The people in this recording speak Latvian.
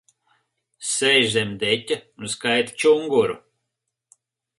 Sēž zem deķa un skaita čunguru.